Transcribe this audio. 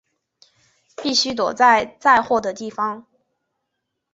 必须躲在载货的地方